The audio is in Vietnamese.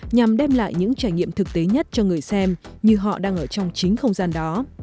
nhằm đem lại những trải nghiệm thực tế nhất cho người xem như họ đang ở trong chính không gian đó